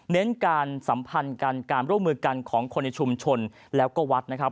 เน้นการสัมพันธ์กันการร่วมมือกันของคนในชุมชนแล้วก็วัดนะครับ